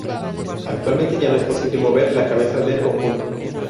Actualmente ya no es posible mover la cabeza del conjunto.